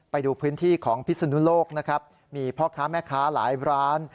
ไปดูพื้นที่ของพิศนุโลกนะครับมีพ่อค้าแม่ค้าหลายร้าน